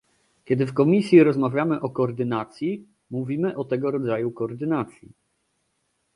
Kiedy w Komisji rozmawiamy o koordynacji, mówimy o tego rodzaju koordynacji